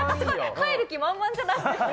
帰る気満々じゃないですか。